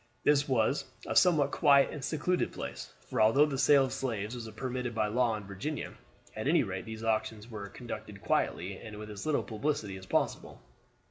This was a somewhat quiet and secluded place; for although the sale of slaves was permitted by law in Virginia, at any rate these auctions were conducted quietly and with as little publicity as possible.